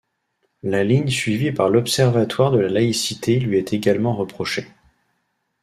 La ligne suivie par l'Observatoire de la laïcité lui est également reprochée.